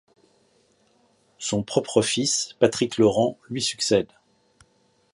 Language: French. Son propre fils, Patrick Laurent, lui succède.